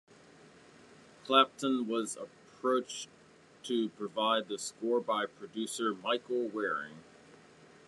Clapton was approached to provide the score by producer Michael Wearing.